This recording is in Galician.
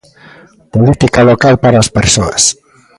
Política local para as persoas.